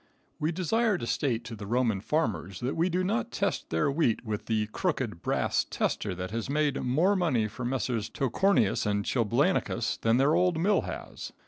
We desire to state to the Roman farmers that we do not test their wheat with the crooked brass tester that has made more money for Messrs. Toecorneous & Chilblainicus than their old mill has.